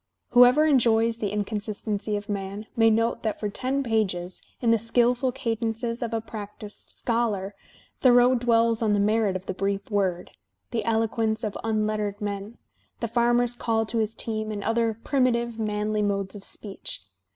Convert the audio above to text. Whoever enjoys the inconsistency of man may note that for ten pages, in the skilful cadences of a practised "scholar," Thoreau dwells on the merit of the brief word, the eloquence of imlettered men, the farmer's call to his team and other primitive, manly modes of speech.